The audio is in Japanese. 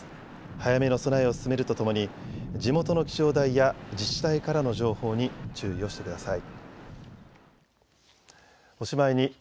早めの備えを進めるとともに地元の気象台や自治体からの情報に注意をしてください。